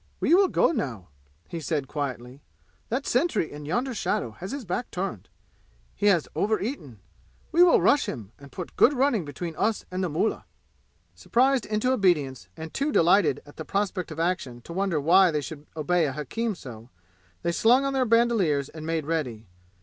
"We will go now," he said quietly. "That sentry in yonder shadow has his back turned. He has over eaten. We will rush him and put good running between us and the mullah." Surprised into obedience, and too delighted at the prospect of action to wonder why they should obey a hakim so, they slung on their bandoliers and made ready.